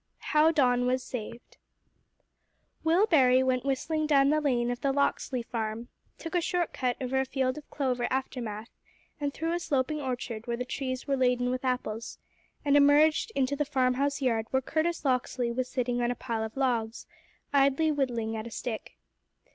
How Don Was Saved Will Barrie went whistling down the lane of the Locksley farm, took a short cut over a field of clover aftermath and through a sloping orchard where the trees were laden with apples, and emerged into the farmhouse yard where Curtis Locksley was sitting on a pile of logs, idly whittling at a stick.